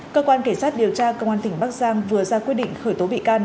cơ quan kể sát điều tra công an tỉnh bắc giang vừa ra quyết định khởi tố bị can